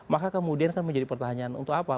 maka kemudian kan menjadi pertanyaan untuk apa